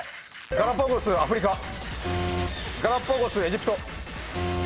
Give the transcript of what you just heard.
ガラパゴスエジプト。